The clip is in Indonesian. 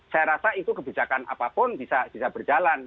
saya rasa itu kebijakan apapun bisa berjalan